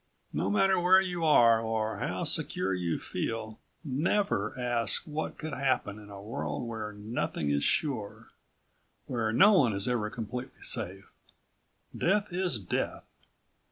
No matter where you are or how secure you feel, never ask what could happen in a world where nothing is sure, where no one is ever completely safe. Death is death.